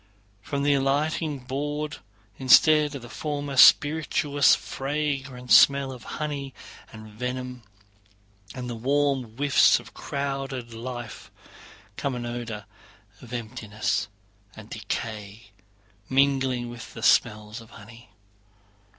From the alighting board, instead of the former spirituous fragrant smell of honey and venom, and the warm whiffs of crowded life, comes an odor of emptiness and decay mingling with the smell of honey.